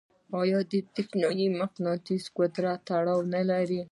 آیا د برېښنايي مقناطیس قدرت تړاو لري؟